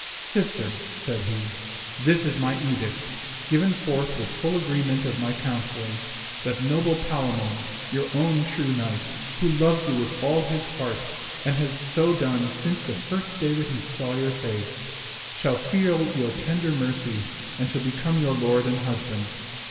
Sister," said he, " this is my edict, given forth with full agreement of my councilors, that noble Palamon, your own true knight, who loves you with all his heart and has so done since the first day that he saw your face, shall feel your tender mercy and shall become your lord and husband.